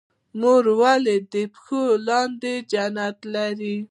مور ولې د پښو لاندې جنت لري؟